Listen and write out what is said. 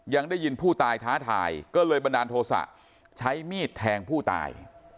ยังได้ยินผู้ตายท้าทายก็เลยบันดาลโทษะใช้มีดแทงผู้ตาย